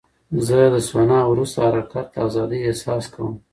زه د سونا وروسته د حرکت ازادۍ احساس کوم.